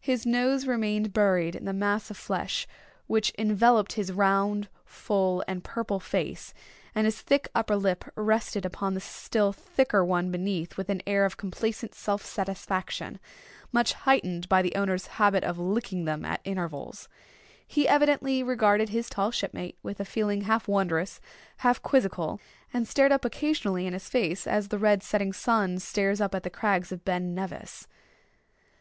His nose remained buried in the mass of flesh which enveloped his round, full, and purple face; and his thick upper lip rested upon the still thicker one beneath with an air of complacent self satisfaction, much heightened by the owner's habit of licking them at intervals. He evidently regarded his tall shipmate with a feeling half wondrous, half quizzical; and stared up occasionally in his face as the red setting sun stares up at the crags of Ben Nevis.